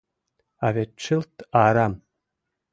— А вет чылт арам...